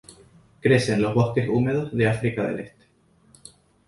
Crece en los bosques húmedos de África del Este.